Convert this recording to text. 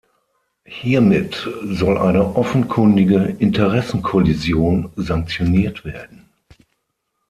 Hiermit soll eine offenkundige Interessenkollision sanktioniert werden.